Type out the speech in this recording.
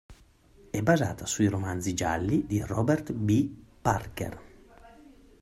È basata sui romanzi gialli di Robert B. Parker.